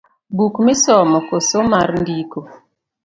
Buk misomo koso mar ndiko?